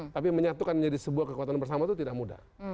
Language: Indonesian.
tapi menyatukan menjadi sebuah kekuatan bersama itu tidak mudah